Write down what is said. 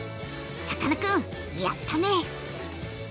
さかなクンやったね！